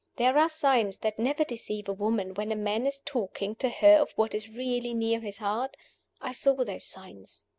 There are signs that never deceive a woman when a man is talking to her of what is really near his heart: I saw those signs.